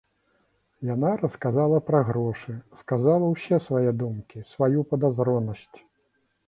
Яна расказала пра грошы, сказала ўсе свае думкі, сваю падазронасць.